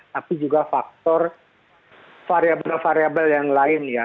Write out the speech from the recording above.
tapi juga faktor variabel variabel yang lain ya